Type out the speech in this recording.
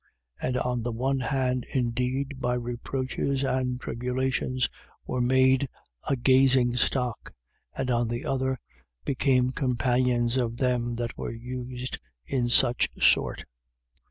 10:33. And on the one hand indeed, by reproaches and tribulations, were made a gazingstock; and on the other, became companions of them that were used in such sort.